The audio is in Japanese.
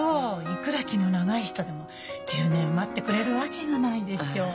いくら気の長い人でも１０年待ってくれるわけがないでしょう。